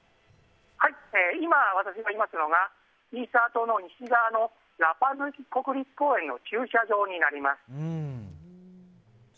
今、私がいますのがイースター島の西側のラパ・ヌイ国立公園の駐車場になります。